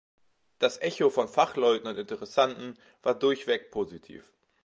Das Echo von Fachleuten und Interessenten war durchweg positiv.